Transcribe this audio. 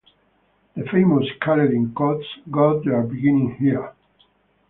The famous "Kaleden Cots" got their beginning here.